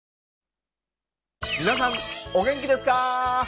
皆さんお元気ですか！